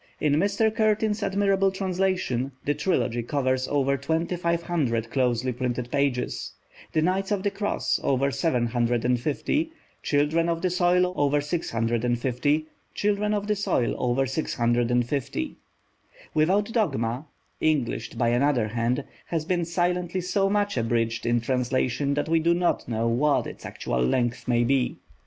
In Mr. Curtin's admirable translation, the Trilogy covers over twenty five hundred closely printed pages; the Knights of the Cross over seven hundred and fifty, Children of the Soil over six hundred and fifty; Without Dogma (Englished by another hand) has been silently so much abridged in translation that we do not know what its actual length may be.